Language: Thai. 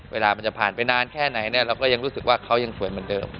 เวลามันจะผ่านไปนานแค่ไหนเนี่ยเราก็ยังรู้สึกว่าเขายังสวยเหมือนเดิม